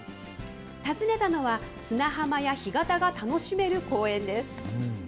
訪ねたのは、砂浜や干潟が楽しめる公園です。